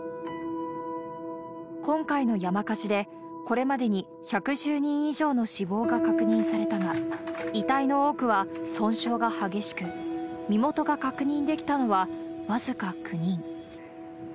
今回の山火事で、これまでに１１０人以上の死亡が確認されたが、遺体の多くは損傷が激しく、身元が確認できたのは、僅か９人。